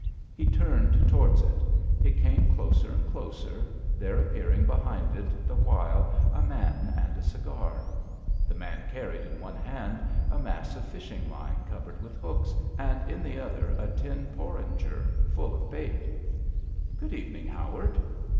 He turned towards it. It came closer and closer, there ap pearing behind it the while a man and a cigar. The man carried in one hand a mass of fishing line covered with hooks, and in the other a tin porringer full of bait. " Good evening, Howard."